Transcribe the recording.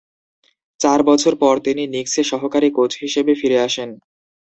চার বছর পর, তিনি নিক্সে সহকারী কোচ হিসেবে ফিরে আসেন।